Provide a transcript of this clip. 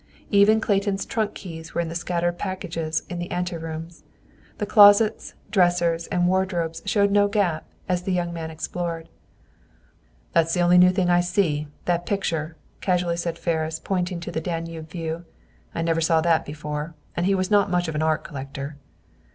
Even Clayton's trunk keys were in the scattered packages in the ante rooms. The closets, dressers, and wardrobes showed no gap, as the young men explored. "That's the only new thing I see that picture," casually said Ferris, pointing to the Danube view. "I never saw that before, and he was not much of an art collector."